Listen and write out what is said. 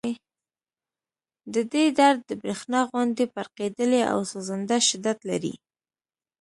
د دې درد د برېښنا غوندې پړقېدلی او سوځنده شدت لري